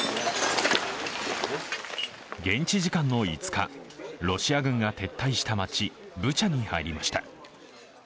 現地時間５日、ロシア軍が撤退した街・ブチャに入りました。